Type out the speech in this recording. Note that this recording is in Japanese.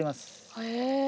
へえ。